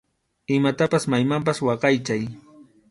Imatapas maymanpas waqaychay.